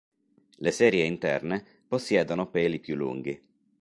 Le serie interne possiedono peli più lunghi.